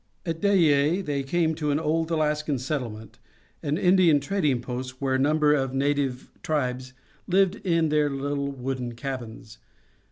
At Dyea they came to an old Alaskan settlement, an Indian trading post, where a number of native tribes lived in their little wooden cabins.